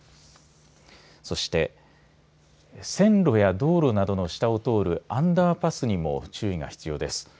そして線路や道路などの下を通るアンダーパスにも注意が必要です。